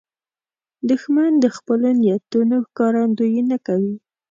دښمن د خپلو نیتونو ښکارندویي نه کوي